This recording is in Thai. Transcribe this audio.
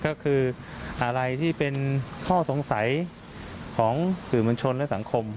ก็คืออะไรที่เป็นข้อสงสัยของสื่อมวลชนและสังคม